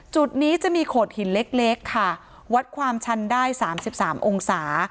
จุดนี้จะมีโขดหินเล็กค่ะวัดความชันได้๓๓องศา